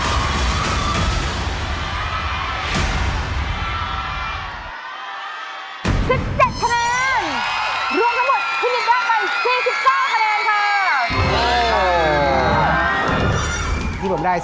รวมทั้งหมดพินิธได้๔๙คะแนนค่ะ